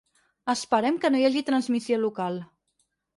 Esperem que no hi hagi transmissió local.